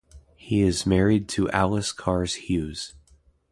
He is married to Alice Kahrs Hughes.